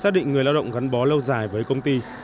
xác định người lao động gắn bó lâu dài với công ty